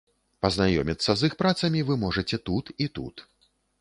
Пазнаёміцца з іх працамі вы можаце тут і тут.